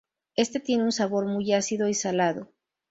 Este tiene un sabor muy ácido y salado.